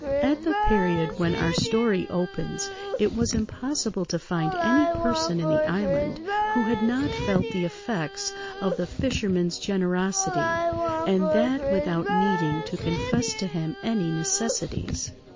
At the period when our story opens, it was impossible to find any person in the island who had not felt the effects of the fisherman's generosity, and that without needing to confess to him any necessities.